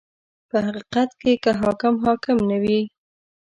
• په حقیقت کې که حاکم حاکم نه وي.